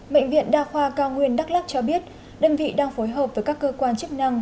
bệnh viện đa khoa cao nguyên đắk lắc cho biết đơn vị đang phối hợp với các cơ quan chức năng